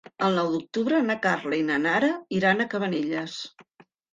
El nou d'octubre na Carla i na Nara iran a Cabanelles.